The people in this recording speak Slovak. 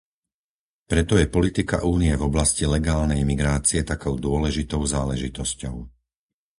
Preto je politika Únie v oblasti legálnej migrácie takou dôležitou záležitosťou.